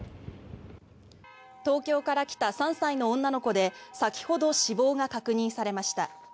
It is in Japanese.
東京から来た３歳の女の子で先ほど死亡が確認されました。